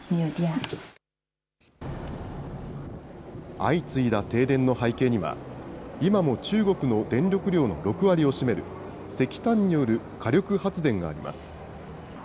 相次いだ停電の背景には、今も中国の電力量の６割を占める、石炭による火力発電があります。